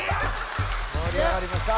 もりあがりました。